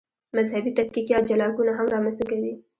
مذهبي تفکیک یا جلاکونه هم رامنځته کوي.